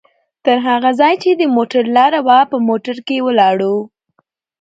تر هغه ځایه چې د موټر لاره وه، په موټر کې ولاړو؛